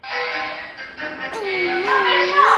افغانستان د نړیوالو اقتصادي بندیزونو پر وړاندي تسلیم نه دی.